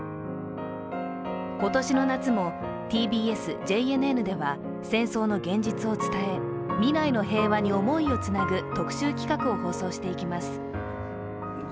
今年の夏もＴＢＳ・ＪＮＮでは戦争の現実を伝え未来の平和に思いをつなぐ特集企画を放送していきます。